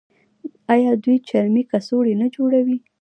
آیا دوی چرمي کڅوړې نه جوړوي؟